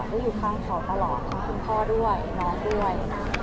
ก็อยู่ข้างเขาตลอดทั้งคุณพ่อด้วยน้องด้วย